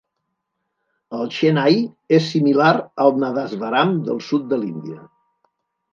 El shehnai és similar al nadaswaram del sud de l'Índia.